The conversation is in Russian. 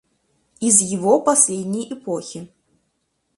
Из его последней эпохи.